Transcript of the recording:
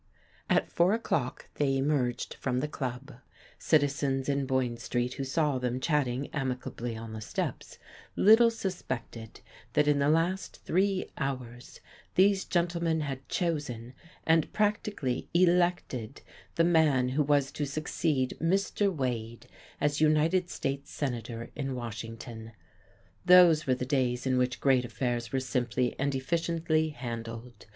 At four o'clock they emerged from the club: citizens in Boyne Street who saw them chatting amicably on the steps little suspected that in the last three hours these gentlemen had chosen and practically elected the man who was to succeed Mr. Wade as United States Senator in Washington. Those were the days in which great affairs were simply and efficiently handled.